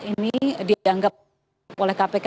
ini dianggap oleh kpk